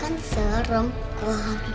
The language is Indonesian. masih selalu bergantung